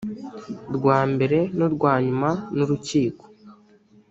rwa mbere n urwa nyuma n urukiko